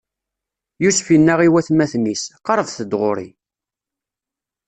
Yusef inna i watmaten-is: Qeṛṛbet-d ɣur-i!